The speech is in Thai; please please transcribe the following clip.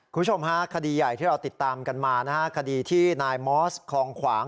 คุณผู้ชมฮะคดีใหญ่ที่เราติดตามกันมานะฮะคดีที่นายมอสคลองขวาง